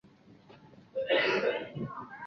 幸好还有座位